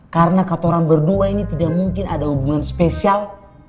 karena kata orang berdua ini tidak mungkin ada hubungan spesial